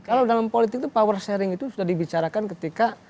kalau dalam politik itu power sharing itu sudah dibicarakan ketika